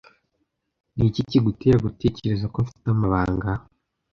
Niki kigutera gutekereza ko mfite amabanga?